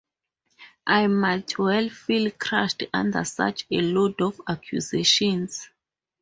I might well feel crushed under such a load of accusations.